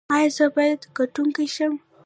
ایا زه باید ګټونکی شم؟